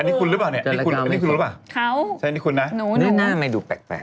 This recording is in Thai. อันนี้คุณหรือเปล่าเนี่ยอันนี้คุณหรือเปล่าใช่อันนี้คุณนะหน้าไม่ดูแปลก